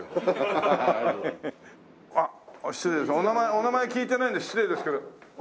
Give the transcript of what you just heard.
お名前聞いてないんで失礼ですけど。